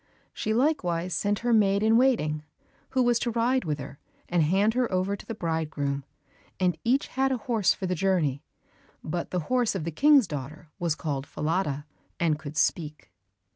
She likewise sent her maid in waiting, who was to ride with her, and hand her over to the bridegroom, and each had a horse for the journey, but the horse of the King's daughter was called Falada, and could speak.